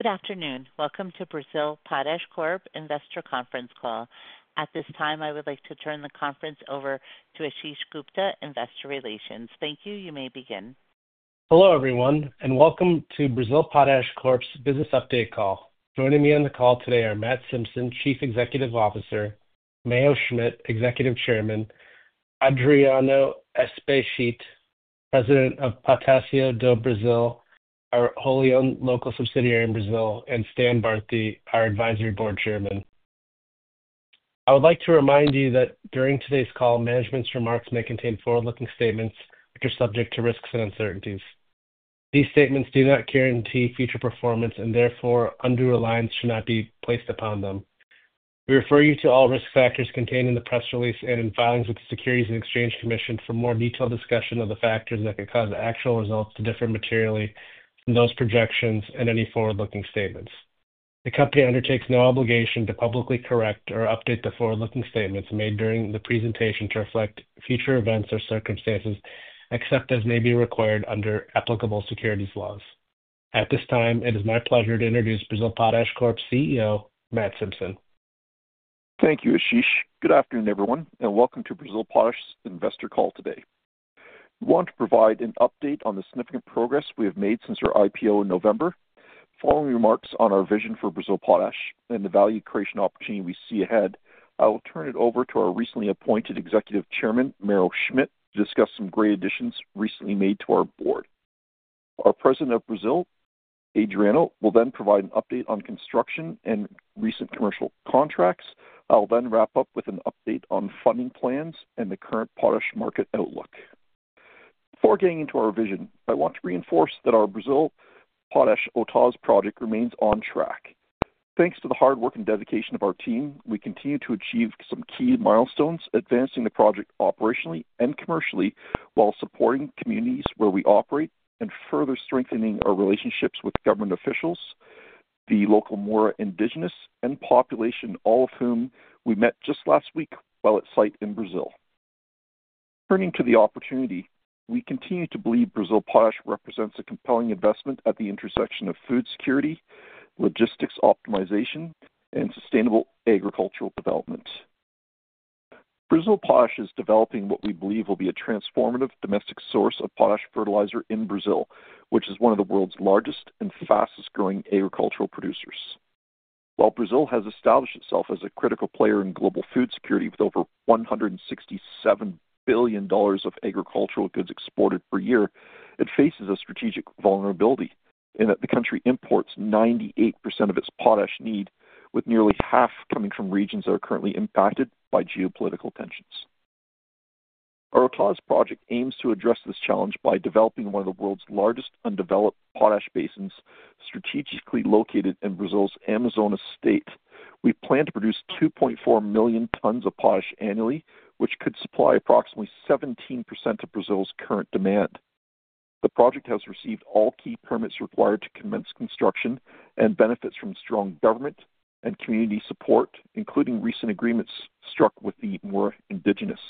Good afternoon. Welcome to Brazil Potash Investor Conference Call. At this time, I would like to turn the conference over to Ashish Gupta, Investor Relations. Thank you. You may begin. Hello, everyone, and welcome to Brazil Potash's Business Update Call. Joining me on the call today are Matt Simpson, Chief Executive Officer; Mayo Schmidt, Executive Chairman; Adriano Espeschit, President of Potássio do Brasil, our wholly owned local subsidiary in Brazil; and Stan Bharti, our Advisory Board Chairman. I would like to remind you that during today's call, management's remarks may contain forward-looking statements which are subject to risks and uncertainties. These statements do not guarantee future performance and, therefore, undue reliance should not be placed upon them. We refer you to all risk factors contained in the press release and in filings with the Securities and Exchange Commission for more detailed discussion of the factors that could cause actual results to differ materially from those projections and any forward-looking statements. The company undertakes no obligation to publicly correct or update the forward-looking statements made during the presentation to reflect future events or circumstances except as may be required under applicable securities laws. At this time, it is my pleasure to introduce Brazil Potash's CEO, Matt Simpson. Thank you, Ashish. Good afternoon, everyone, and welcome to Brazil Potash's Investor Call today. I want to provide an update on the significant progress we have made since our IPO in November. Following remarks on our vision for Brazil Potash and the value creation opportunity we see ahead, I will turn it over to our recently appointed Executive Chairman, Mayo Schmidt, to discuss some great additions recently made to our board. Our President of Brazil Potash, Adriano, will then provide an update on construction and recent commercial contracts. I will then wrap up with an update on funding plans and the current potash market outlook. Before getting into our vision, I want to reinforce that our Brazil Potash Autazes Project remains on track. Thanks to the hard work and dedication of our team, we continue to achieve some key milestones, advancing the project operationally and commercially while supporting communities where we operate and further strengthening our relationships with government officials, the local Mura Indigenous, and population, all of whom we met just last week while at site in Brazil. Turning to the opportunity, we continue to believe Brazil Potash represents a compelling investment at the intersection of food security, logistics optimization, and sustainable agricultural development. Brazil Potash is developing what we believe will be a transformative domestic source of potash fertilizer in Brazil, which is one of the world's largest and fastest-growing agricultural producers. While Brazil has established itself as a critical player in global food security with over $167 billion of agricultural goods exported per year, it faces a strategic vulnerability in that the country imports 98% of its potash need, with nearly half coming from regions that are currently impacted by geopolitical tensions. Our Autazes project aims to address this challenge by developing one of the world's largest undeveloped potash basins, strategically located in Brazil's Amazonas State. We plan to produce 2.4 million tons of potash annually, which could supply approximately 17% of Brazil's current demand. The project has received all key permits required to commence construction and benefits from strong government and community support, including recent agreements struck with the Mura Indigenous.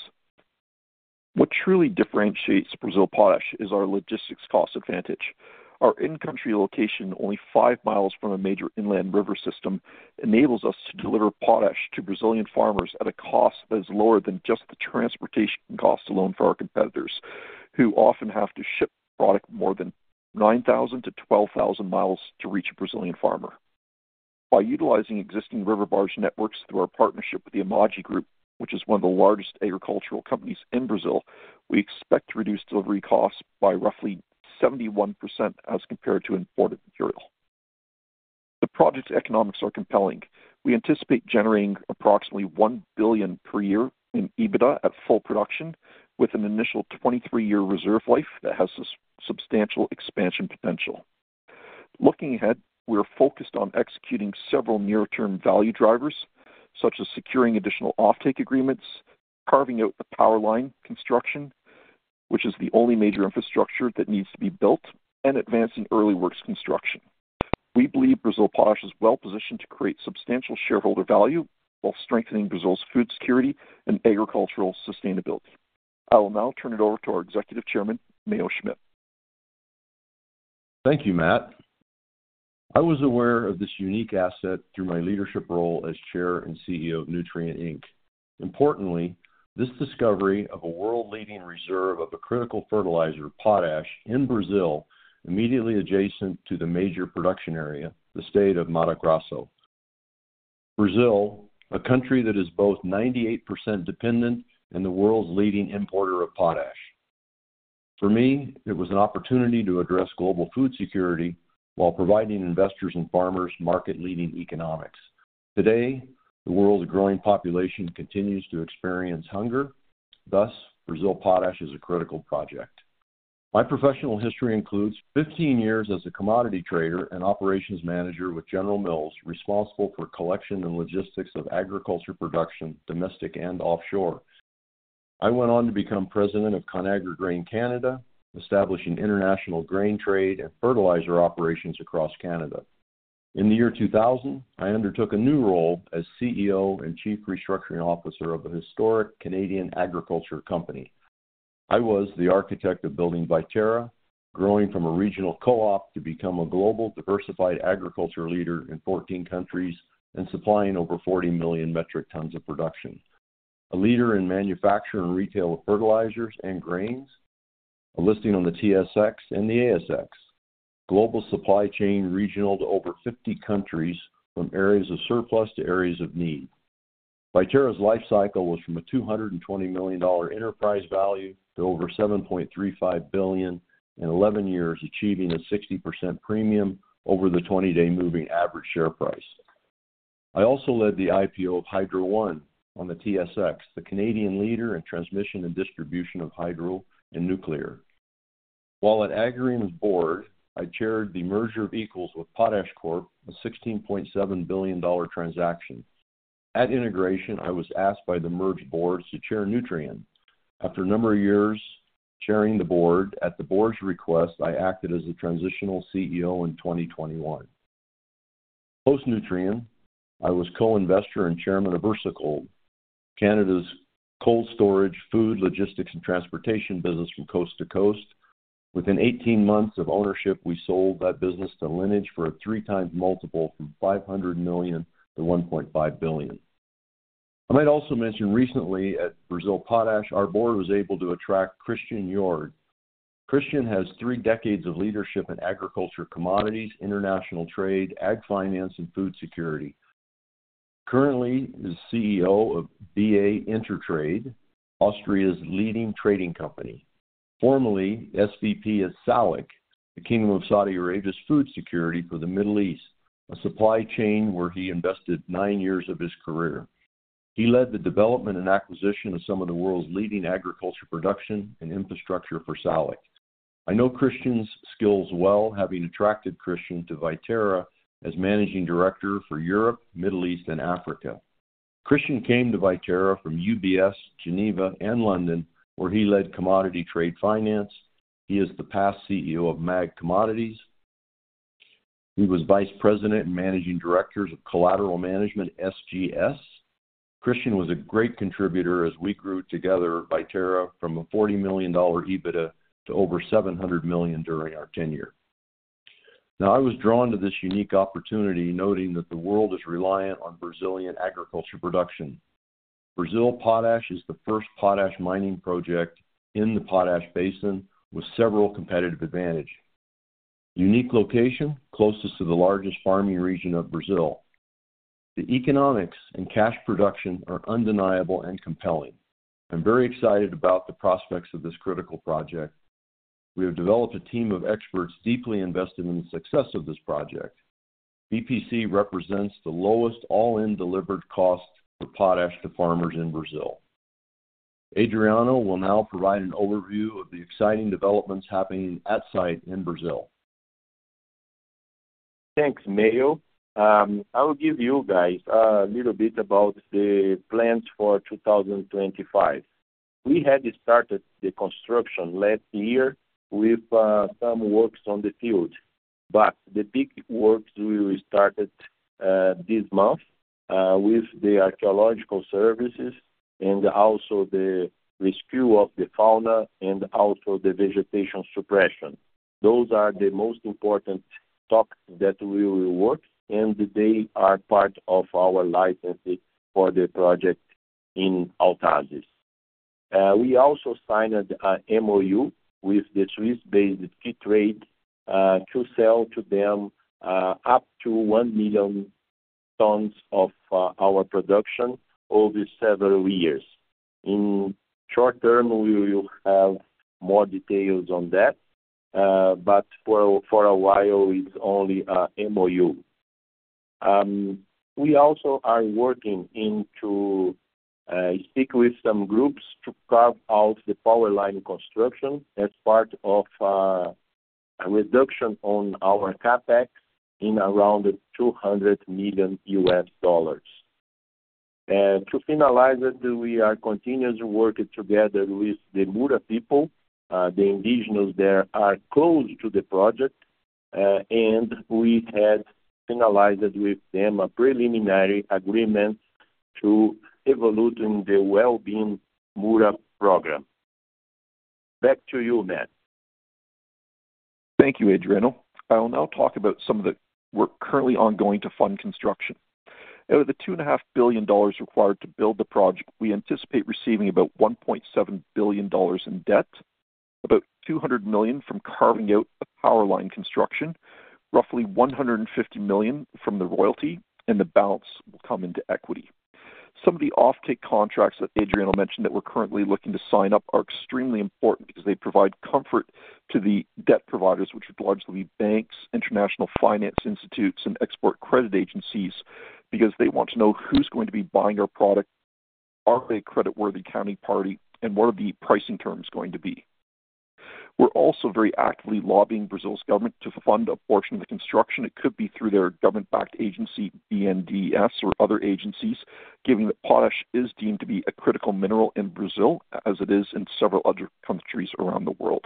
What truly differentiates Brazil Potash is our logistics cost advantage. Our in-country location, only five mi from a major inland river system, enables us to deliver potash to Brazilian farmers at a cost that is lower than just the transportation cost alone for our competitors, who often have to ship product more than 9,000-12,000 mi to reach a Brazilian farmer. By utilizing existing river barge networks through our partnership with the Amaggi Group, which is one of the largest agricultural companies in Brazil, we expect to reduce delivery costs by roughly 71% as compared to imported material. The project's economics are compelling. We anticipate generating approximately $1 billion per year in EBITDA at full production, with an initial 23-year reserve life that has substantial expansion potential. Looking ahead, we are focused on executing several near-term value drivers, such as securing additional offtake agreements, carving out the power line construction, which is the only major infrastructure that needs to be built, and advancing early works construction. We believe Brazil Potash is well positioned to create substantial shareholder value while strengthening Brazil's food security and agricultural sustainability. I will now turn it over to our Executive Chairman, Mayo Schmidt. Thank you, Matt. I was aware of this unique asset through my leadership role as Chair and CEO of Nutrien. Importantly, this discovery of a world-leading reserve of a critical fertilizer, potash, in Brazil, immediately adjacent to the major production area, the state of Mato Grosso. Brazil, a country that is both 98% dependent and the world's leading importer of potash. For me, it was an opportunity to address global food security while providing investors and farmers market-leading economics. Today, the world's growing population continues to experience hunger. Thus, Brazil Potash is a critical project. My professional history includes 15 years as a commodity trader and operations manager with General Mills, responsible for collection and logistics of agriculture production, domestic and offshore. I went on to become President of ConAgra Grain Canada, establishing international grain trade and fertilizer operations across Canada. In the year 2000, I undertook a new role as CEO and Chief Restructuring Officer of a historic Canadian agriculture company. I was the architect of building Viterra, growing from a regional co-op to become a global diversified agriculture leader in 14 countries and supplying over 40 million metric tons of production. A leader in manufacture and retail of fertilizers and grains, a listing on the TSX and the ASX, global supply chain regional to over 50 countries from areas of surplus to areas of need. Viterra's life cycle was from a $220 million enterprise value to over $7.35 billion in 11 years, achieving a 60% premium over the 20-day moving average share price. I also led the IPO of Hydro One on the TSX, the Canadian leader in transmission and distribution of hydro and nuclear. While at Agrium's board, I chaired the merger of equals with PotashCorp, a $16.7 billion transaction. At integration, I was asked by the merged board to chair Nutrien. After a number of years chairing the board, at the board's request, I acted as the transitional CEO in 2021. Post-Nutrien, I was co-investor and chairman of VersaCold, Canada's cold storage, food, logistics, and transportation business from coast to coast. Within 18 months of ownership, we sold that business to Lineage for a three-times multiple from $500 million to $1.5 billion. I might also mention recently at Brazil Potash, our board was able to attract Christian Jörg. Christian has three decades of leadership in agriculture commodities, international trade, ag finance, and food security. Currently, he is CEO of VA Intertrading, Austria's leading trading company. Formerly SVP at SALIC, the Kingdom of Saudi Arabia's food security for the Middle East, a supply chain where he invested nine years of his career. He led the development and acquisition of some of the world's leading agriculture production and infrastructure for SALIC. I know Christian's skills well, having attracted Christian to Viterra as Managing Director for Europe, the Middle East, and Africa. Christian came to Viterra from UBS, Geneva, and London, where he led commodity trade finance. He is the past CEO of MAG Commodities. He was Vice President and Managing Director of Collateral Management, SGS. Christian was a great contributor as we grew together Viterra from a $40 million EBITDA to over $700 million during our tenure. Now, I was drawn to this unique opportunity, noting that the world is reliant on Brazilian agriculture production. Brazil Potash is the first potash mining project in the Potash Basin with several competitive advantages. Unique location, closest to the largest farming region of Brazil. The economics and cash production are undeniable and compelling. I'm very excited about the prospects of this critical project. We have developed a team of experts deeply invested in the success of this project. BPC represents the lowest all-in delivered cost for potash to farmers in Brazil. Adriano will now provide an overview of the exciting developments happening at site in Brazil. Thanks, Mayo. I will give you guys a little bit about the plans for 2025. We had started the construction last year with some works on the field, but the big works will start this month with the archaeological services and also the rescue of the fauna and also the vegetation suppression. Those are the most important topics that we will work on, and they are part of our license for the project in Autazes. We also signed an MOU with the Swiss-based Keytrade to sell to them up to 1 million tons of our production over several years. In the short term, we will have more details on that, but for a while, it's only an MOU. We also are working to speak with some groups to carve out the power line construction as part of a reduction on our CapEx in around $200 million. To finalize it, we are continuously working together with the Mura people, the Indigenous that are close to the project, and we had finalized with them a preliminary agreement to evolve the Well-Being Mura Program. Back to you, Matt. Thank you, Adriano. I will now talk about some of the work currently ongoing to fund construction. Out of the $2.5 billion required to build the project, we anticipate receiving about $1.7 billion in debt, about $200 million from carving out the power line construction, roughly $150 million from the royalty, and the balance will come into equity. Some of the offtake contracts that Adriano mentioned that we're currently looking to sign up are extremely important because they provide comfort to the debt providers, which would largely be banks, international finance institutes, and export credit agencies, because they want to know who's going to be buying our product, are they a creditworthy counterparty, and what are the pricing terms going to be. We're also very actively lobbying Brazil's government to fund a portion of the construction. It could be through their government-backed agency, BNDES, or other agencies, given that potash is deemed to be a critical mineral in Brazil, as it is in several other countries around the world.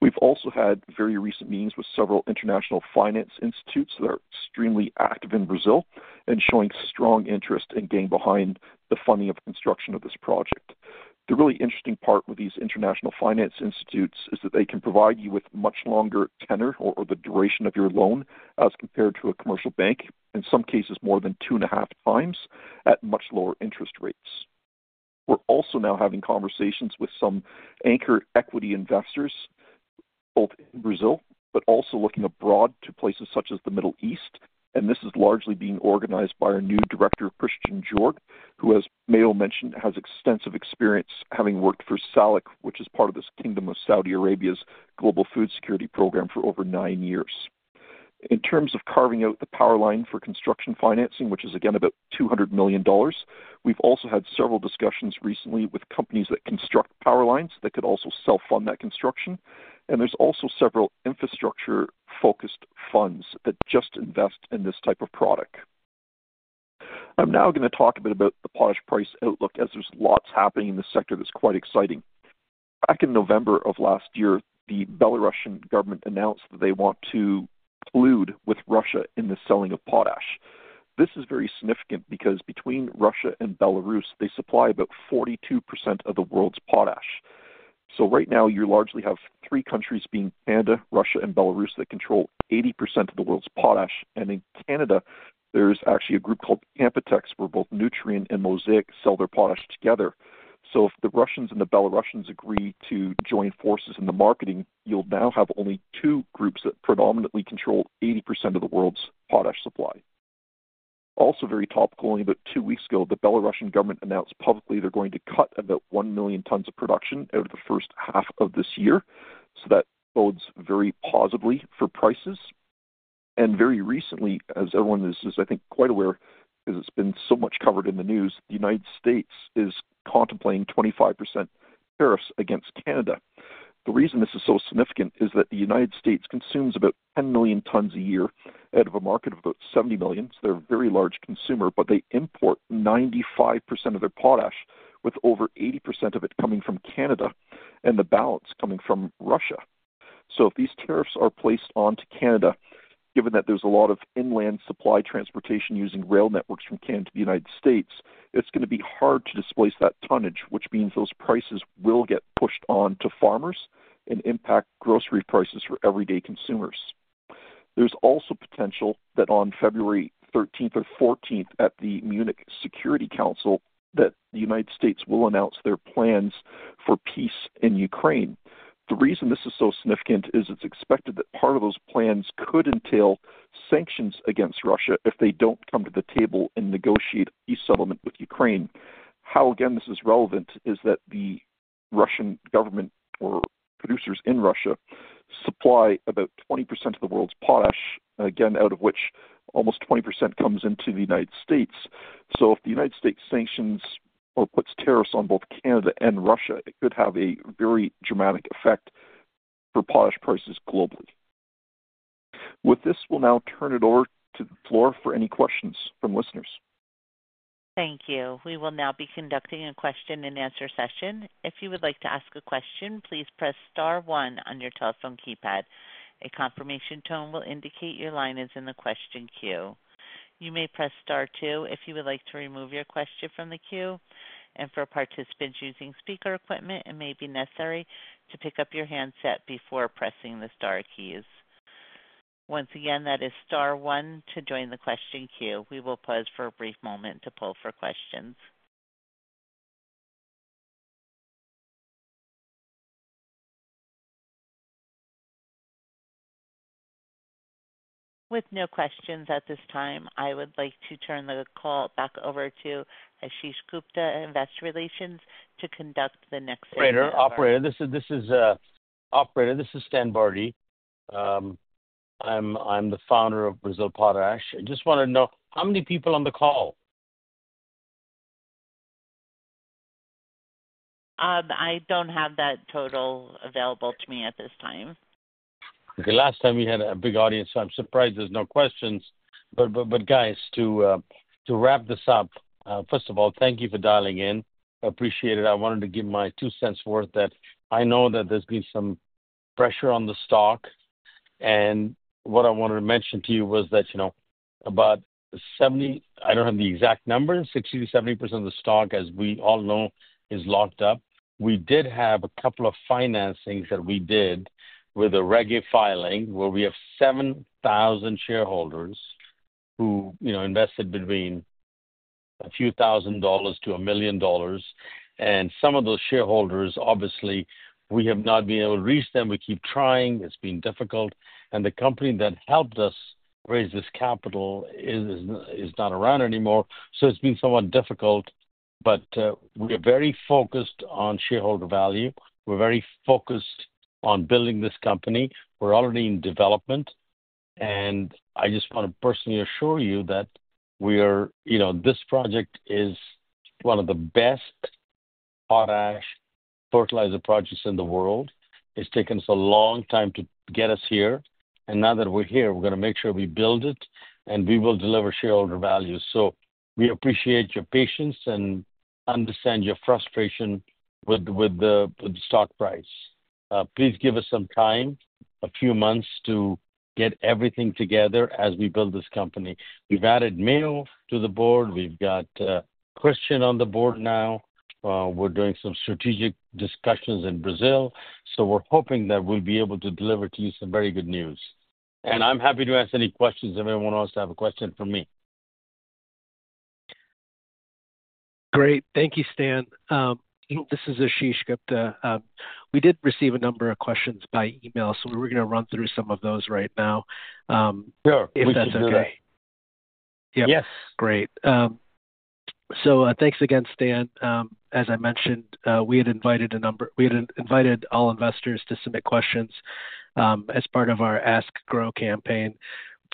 We've also had very recent meetings with several international finance institutes that are extremely active in Brazil and showing strong interest in getting behind the funding of construction of this project. The really interesting part with these international finance institutes is that they can provide you with much longer tenor or the duration of your loan as compared to a commercial bank, in some cases more than two and a half times at much lower interest rates. We're also now having conversations with some anchor equity investors both in Brazil, but also looking abroad to places such as the Middle East, and this is largely being organized by our new Director, Christian Jörg, who, as Mayo mentioned, has extensive experience having worked for SALIC, which is part of this Kingdom of Saudi Arabia's global food security program for over nine years. In terms of carving out the power line for construction financing, which is again about $200 million, we've also had several discussions recently with companies that construct power lines that could also self-fund that construction, and there's also several infrastructure-focused funds that just invest in this type of product. I'm now going to talk a bit about the potash price outlook, as there's lots happening in the sector that's quite exciting. Back in November of last year, the Belarusian government announced that they want to collude with Russia in the selling of potash. This is very significant because between Russia and Belarus, they supply about 42% of the world's potash. Right now, you largely have three countries being Canada, Russia, and Belarus that control 80% of the world's potash, and in Canada, there's actually a group called Canpotex, where both Nutrien and Mosaic sell their potash together. If the Russians and the Belarusians agree to join forces in the marketing, you'll now have only two groups that predominantly control 80% of the world's potash supply. Also very topical, only about two weeks ago, the Belarusian government announced publicly they're going to cut about 1 million tons of production over the first half of this year, so that bodes very positively for prices. Very recently, as everyone is, I think, quite aware, because it's been so much covered in the news, the United States is contemplating 25% tariffs against Canada. The reason this is so significant is that the United States consumes about 10 million tons a year out of a market of about 70 million, so they're a very large consumer, but they import 95% of their potash, with over 80% of it coming from Canada and the balance coming from Russia. If these tariffs are placed onto Canada, given that there's a lot of inland supply transportation using rail networks from Canada to the United States, it's going to be hard to displace that tonnage, which means those prices will get pushed on to farmers and impact grocery prices for everyday consumers. There's also potential that on February 13th or 14th at the Munich Security Conference, the United States will announce their plans for peace in Ukraine. The reason this is so significant is it's expected that part of those plans could entail sanctions against Russia if they don't come to the table and negotiate a peace settlement with Ukraine. How, again, this is relevant is that the Russian government or producers in Russia supply about 20% of the world's potash, again, out of which almost 20% comes into the United States. If the United States sanctions or puts tariffs on both Canada and Russia, it could have a very dramatic effect for potash prices globally. With this, we'll now turn it over to the floor for any questions from listeners. Thank you. We will now be conducting a question-and-answer session. If you would like to ask a question, please press Star one on your telephone keypad. A confirmation tone will indicate your line is in the question queue. You may press Star two if you would like to remove your question from the queue, and for participants using speaker equipment, it may be necessary to pick up your handset before pressing the Star keys. Once again, that is Star one to join the question queue. We will pause for a brief moment to poll for questions. With no questions at this time, I would like to turn the call back over to Ashish Gupta, Investor Relations, to conduct the next segment. Operator, operator, this is operator, this is Stan Bharti. I'm the founder of Brazil Potash. I just want to know how many people on the call? I don't have that total available to me at this time. Okay, last time we had a big audience, so I'm surprised there's no questions. Guys, to wrap this up, first of all, thank you for dialing in. I appreciate it. I wanted to give my two cents' worth that I know that there's been some pressure on the stock, and what I wanted to mention to you was that about 70%, I don't have the exact number, 60%-70% of the stock, as we all know, is locked up. We did have a couple of financings that we did with a Reg filing where we have 7,000 shareholders who invested between a few thousand dollars to $1 million, and some of those shareholders, obviously, we have not been able to reach them. We keep trying. It's been difficult, and the company that helped us raise this capital is not around anymore, so it's been somewhat difficult, but we are very focused on shareholder value. We're very focused on building this company. We're already in development, and I just want to personally assure you that this project is one of the best potash fertilizer projects in the world. It's taken us a long time to get us here, and now that we're here, we're going to make sure we build it, and we will deliver shareholder value. We appreciate your patience and understand your frustration with the stock price. Please give us some time, a few months, to get everything together as we build this company. We've added Mayo to the board. We've got Christian on the board now. We're doing some strategic discussions in Brazil, so we're hoping that we'll be able to deliver to you some very good news. I'm happy to ask any questions if anyone wants to have a question for me. Great. Thank you, Stan. This is Ashish Gupta. We did receive a number of questions by email, so we're going to run through some of those right now, if that's okay. Sure. Yes. Yes. Great. Thanks again, Stan. As I mentioned, we had invited all investors to submit questions as part of our Ask GRO campaign.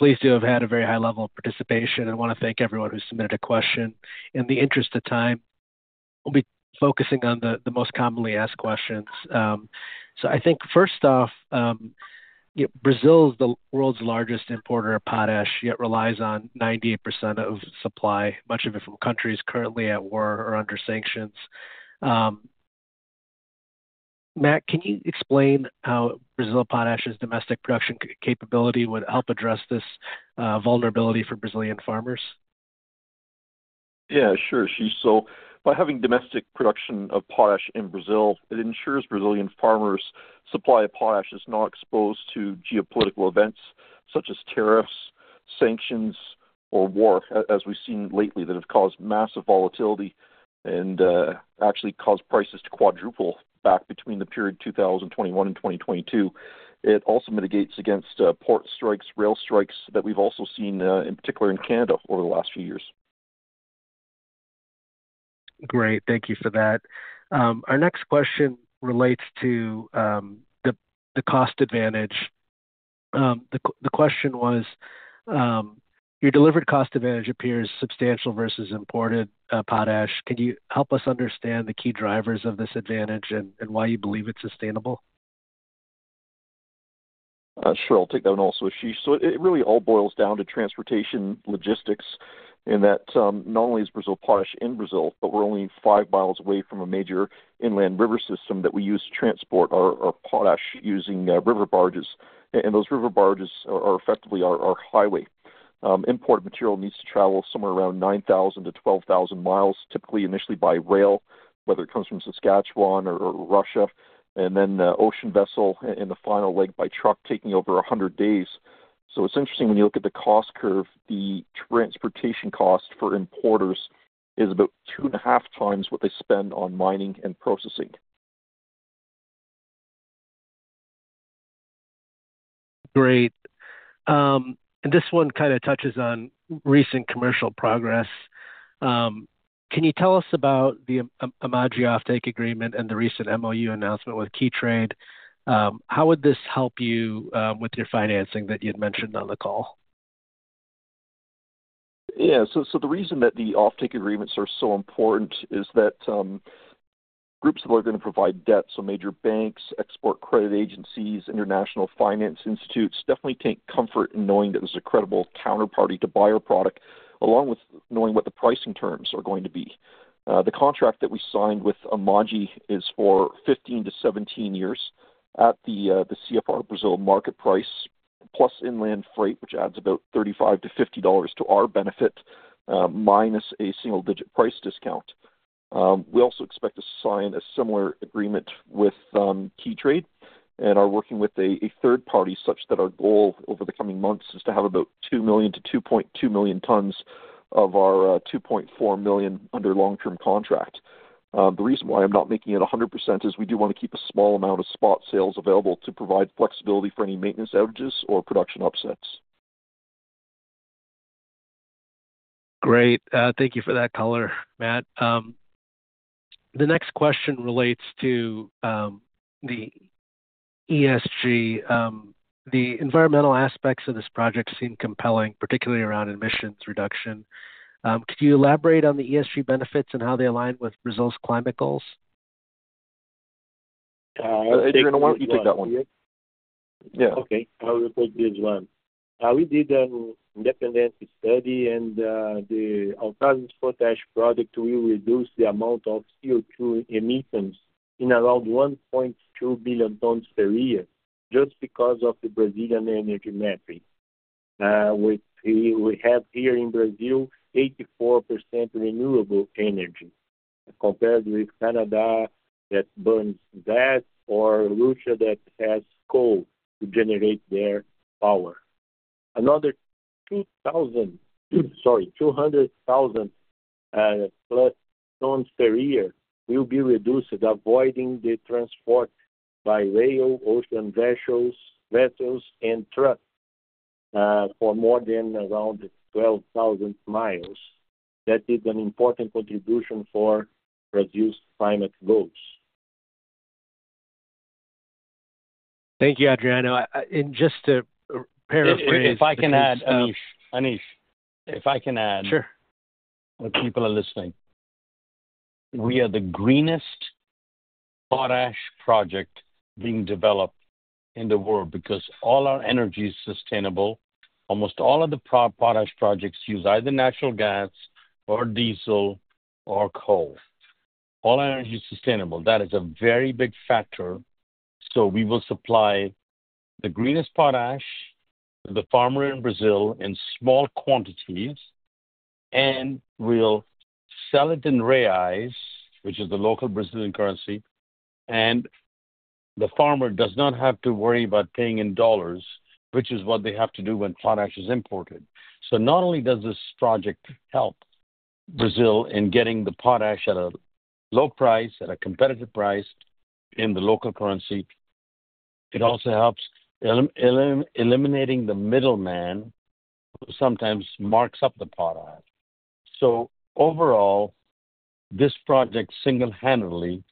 We did have a very high level of participation, and I want to thank everyone who submitted a question. In the interest of time, we'll be focusing on the most commonly asked questions. I think, first off, Brazil is the world's largest importer of potash, yet relies on 98% of supply, much of it from countries currently at war or under sanctions. Matt, can you explain how Brazil Potash's domestic production capability would help address this vulnerability for Brazilian farmers? Yeah, sure, Ashish. By having domestic production of potash in Brazil, it ensures Brazilian farmers' supply of potash is not exposed to geopolitical events such as tariffs, sanctions, or war, as we've seen lately, that have caused massive volatility and actually caused prices to quadruple back between the period 2021 and 2022. It also mitigates against port strikes, rail strikes that we've also seen, in particular in Canada, over the last few years. Great. Thank you for that. Our next question relates to the cost advantage. The question was, your delivered cost advantage appears substantial versus imported potash. Can you help us understand the key drivers of this advantage and why you believe it's sustainable? Sure. I'll take that one also, Ashish. It really all boils down to transportation logistics in that not only is Brazil Potash in Brazil, but we're only five mi away from a major inland river system that we use to transport our potash using river barges, and those river barges are effectively our highway. Imported material needs to travel somewhere around 9,000-12,000 mi, typically initially by rail, whether it comes from Saskatchewan or Russia, and then ocean vessel in the final leg by truck taking over 100 days. It's interesting when you look at the cost curve, the transportation cost for importers is about two and a half times what they spend on mining and processing. Great. This one kind of touches on recent commercial progress. Can you tell us about the Amaggi offtake agreement and the recent MoU announcement with Keytrade? How would this help you with your financing that you had mentioned on the call? Yeah. The reason that the offtake agreements are so important is that groups that are going to provide debt, so major banks, export credit agencies, international finance institutes, definitely take comfort in knowing that there's a credible counterparty to buy our product, along with knowing what the pricing terms are going to be. The contract that we signed with Amaggi is for 15-17 years at the CFR Brazil market price, plus inland freight, which adds about $35-$50 to our benefit, minus a single-digit price discount. We also expect to sign a similar agreement with Keytrade and are working with a third party such that our goal over the coming months is to have about 2 million-2.2 million tons of our 2.4 million under long-term contract. The reason why I'm not making it 100% is we do want to keep a small amount of spot sales available to provide flexibility for any maintenance outages or production upsets. Great. Thank you for that color, Matt. The next question relates to the ESG. The environmental aspects of this project seem compelling, particularly around emissions reduction. Could you elaborate on the ESG benefits and how they align with Brazil's climate goals? Adriano, why don't you take that one? Yeah. Okay. I will take this one. We did an independent study, and the Autazes potash project will reduce the amount of CO2 emissions in around 1.2 million tons per year just because of the Brazilian energy metric. We have here in Brazil 84% renewable energy compared with Canada that burns gas or Russia that has coal to generate their power. Another 200,000 plus tons per year will be reduced, avoiding the transport by rail, ocean vessels, and trucks for more than around 12,000 mi. That is an important contribution for Brazil's climate goals. Thank you, Adriano. Just to paraphrase. If I can add, Ashish, if I can add, what people are listening, we are the greenest potash project being developed in the world because all our energy is sustainable. Almost all of the potash projects use either natural gas or diesel or coal. All our energy is sustainable. That is a very big factor. We will supply the greenest potash to the farmer in Brazil in small quantities and will sell it in reais, which is the local Brazilian currency, and the farmer does not have to worry about paying in dollars, which is what they have to do when potash is imported. Not only does this project help Brazil in getting the potash at a low price, at a competitive price in the local currency, it also helps eliminating the middleman who sometimes marks up the potash. Overall, this project single-handedly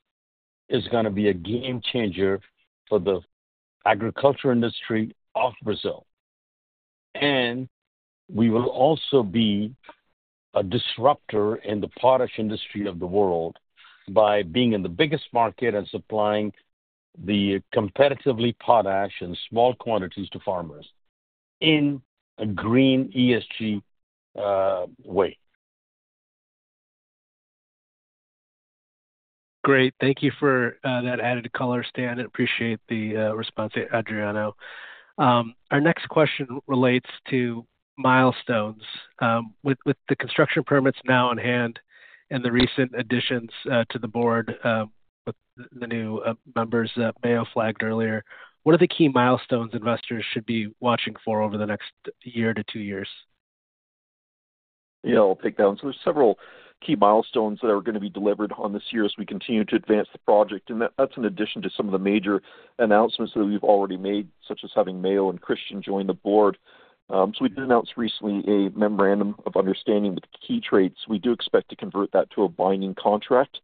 is going to be a game changer for the agriculture industry of Brazil, and we will also be a disruptor in the potash industry of the world by being in the biggest market and supplying the competitively potash in small quantities to farmers in a green ESG way. Great. Thank you for that added color, Stan. I appreciate the response, Adriano. Our next question relates to milestones. With the construction permits now on hand and the recent additions to the board with the new members that Mayo flagged earlier, what are the key milestones investors should be watching for over the next year to two years? Yeah, I'll take that one. There are several key milestones that are going to be delivered on this year as we continue to advance the project, and that's in addition to some of the major announcements that we've already made, such as having Mayo and Christian join the board. We did announce recently a memorandum of understanding with Keytrade. We do expect to convert that to a binding contract.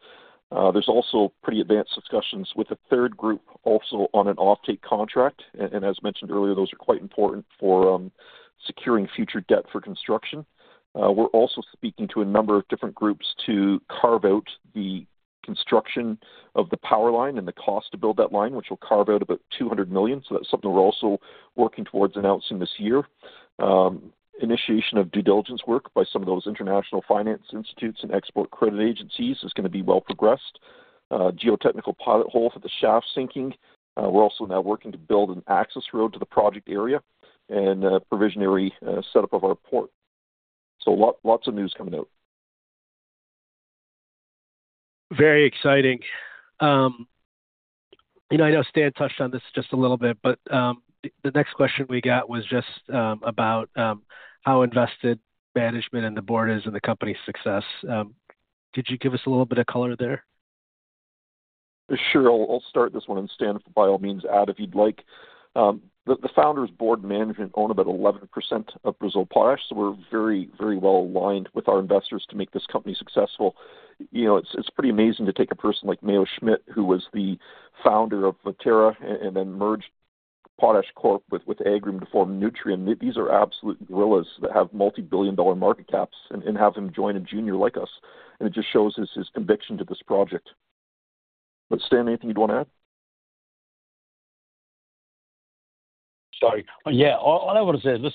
There are also pretty advanced discussions with a third group also on an offtake contract, and as mentioned earlier, those are quite important for securing future debt for construction. We are also speaking to a number of different groups to carve out the construction of the power line and the cost to build that line, which will carve out about $200 million. That is something we are also working towards announcing this year. Initiation of due diligence work by some of those international finance institutes and export credit agencies is going to be well progressed. Geotechnical pilot hole for the shaft sinking. We are also now working to build an access road to the project area and provisionary setup of our port. Lots of news coming out. Very exciting. I know Stan touched on this just a little bit, but the next question we got was just about how invested management and the board is in the company's success. Could you give us a little bit of color there? Sure. I'll start this one, and Stan, by all means, add if you'd like. The founders' board and management own about 11% of Brazil Potash, so we're very, very well aligned with our investors to make this company successful. It's pretty amazing to take a person like Mayo Schmidt, who was the founder of Viterra and then merged PotashCorp with Agrium to form Nutrien. These are absolute gorillas that have multi-billion dollar market caps and have him join a junior like us, and it just shows his conviction to this project. Stan, anything you'd want to add? Sorry. Yeah. All I want to say is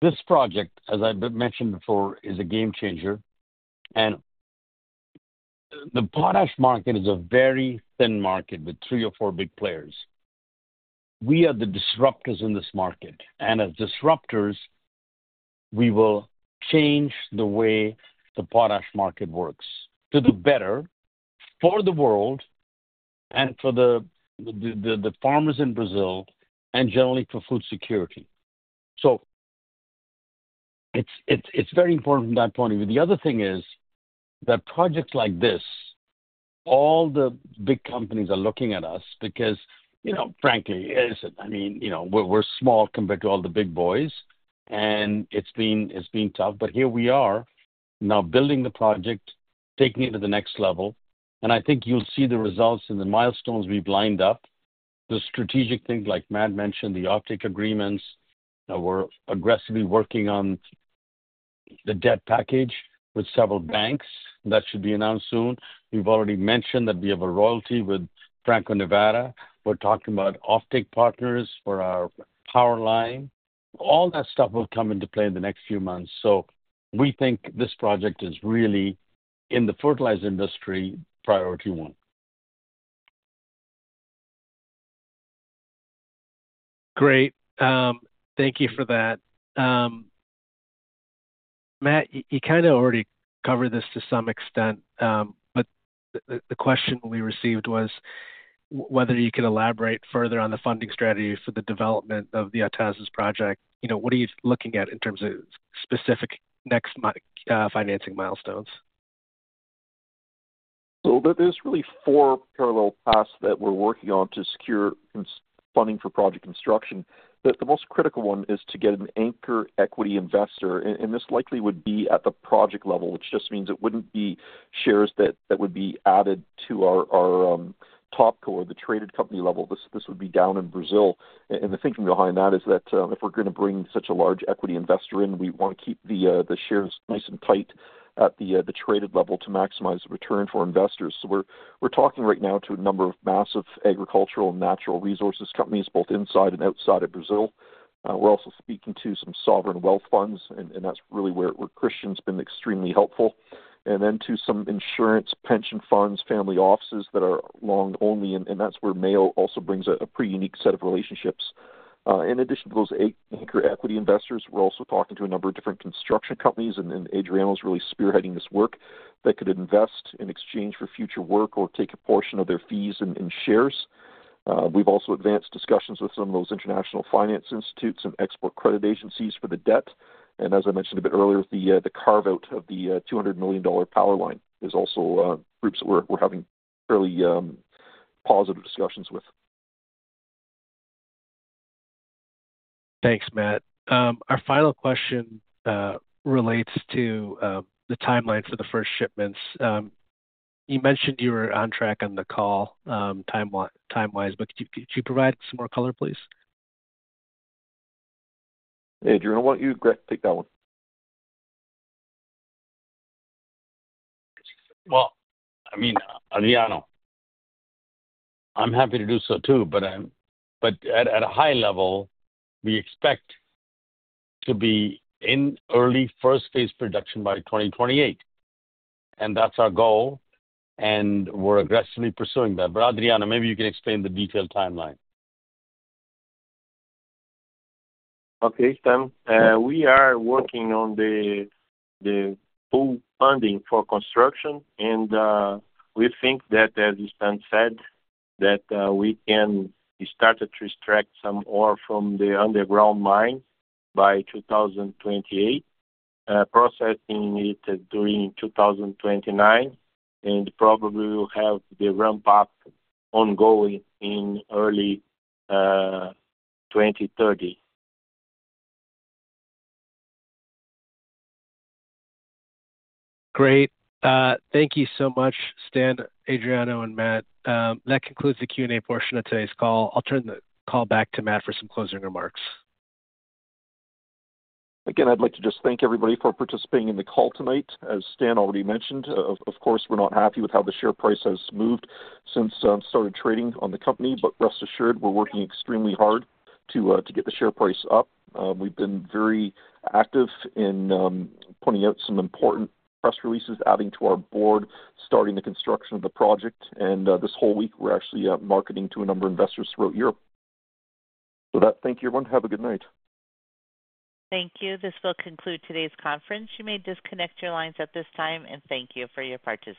this project, as I mentioned before, is a game changer, and the potash market is a very thin market with three or four big players. We are the disruptors in this market, and as disruptors, we will change the way the potash market works to the better for the world and for the farmers in Brazil and generally for food security. It is very important from that point of view. The other thing is that projects like this, all the big companies are looking at us because, frankly, listen, I mean, we're small compared to all the big boys, and it's been tough, but here we are now building the project, taking it to the next level, and I think you'll see the results and the milestones we've lined up. The strategic things like Matt mentioned, the offtake agreements. We're aggressively working on the debt package with several banks that should be announced soon. We've already mentioned that we have a royalty with Franco-Nevada. We're talking about offtake partners for our power line. All that stuff will come into play in the next few months. We think this project is really, in the fertilizer industry, priority one. Great. Thank you for that. Matt, you kind of already covered this to some extent, but the question we received was whether you could elaborate further on the funding strategy for the development of the Autazes project. What are you looking at in terms of specific next financing milestones? There are really four parallel paths that we're working on to secure funding for project construction. The most critical one is to get an anchor equity investor, and this likely would be at the project level, which just means it wouldn't be shares that would be added to our TopCo or the traded company level. This would be down in Brazil. The thinking behind that is that if we're going to bring such a large equity investor in, we want to keep the shares nice and tight at the traded level to maximize return for investors. We're talking right now to a number of massive agricultural and natural resources companies both inside and outside of Brazil. We're also speaking to some sovereign wealth funds, and that's really where Christian's been extremely helpful, and then to some insurance, pension funds, family offices that are long-only, and that's where Mayo also brings a pretty unique set of relationships. In addition to those anchor equity investors, we're also talking to a number of different construction companies, and Adriano's really spearheading this work that could invest in exchange for future work or take a portion of their fees in shares. We've also advanced discussions with some of those international finance institutes and export credit agencies for the debt. As I mentioned a bit earlier, the carve-out of the $200 million power line is also groups that we're having fairly positive discussions with. Thanks, Matt. Our final question relates to the timeline for the first shipments. You mentioned you were on track on the call timewise, but could you provide some more color, please? Adriano, why don't you take that one? I mean, Adriano, I'm happy to do so too, but at a high level, we expect to be in early first phase production by 2028, and that's our goal, and we're aggressively pursuing that. Adriano, maybe you can explain the detailed timeline. Okay, Stan. We are working on the full funding for construction, and we think that, as Stan said, that we can start to extract some ore from the underground mine by 2028, processing it during 2029, and probably we'll have the ramp-up ongoing in early 2030. Great. Thank you so much, Stan, Adriano, and Matt. That concludes the Q&A portion of today's call. I'll turn the call back to Matt for some closing remarks. Again, I'd like to just thank everybody for participating in the call tonight. As Stan already mentioned, of course, we're not happy with how the share price has moved since I started trading on the company, but rest assured, we're working extremely hard to get the share price up. We've been very active in putting out some important press releases, adding to our board, starting the construction of the project, and this whole week, we're actually marketing to a number of investors throughout Europe. With that, thank you everyone. Have a good night. Thank you. This will conclude today's conference. You may disconnect your lines at this time, and thank you for your participation.